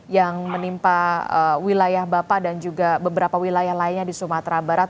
yang menimpa wilayah bapak dan juga beberapa wilayah lainnya di sumatera barat